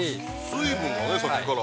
◆水分がね、さっきから。